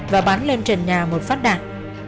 và bắn lên trần nhà một phát đạn